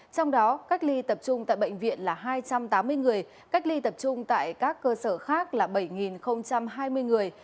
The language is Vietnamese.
trong đó cách ly tập trung tại bệnh viện là hai trăm tám mươi người cách ly tập trung tại các cơ sở khác là bảy hai mươi người